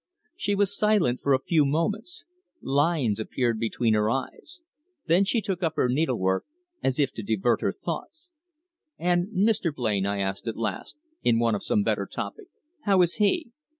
She was silent for a few moments. Lines appeared between her eyes. Then she took up her needlework, as if to divert her thoughts. "And Mr. Blain?" I asked at last, in want of some better topic. "How is he?"